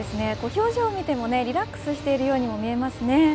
表情を見てもリラックスしているようにも見えます。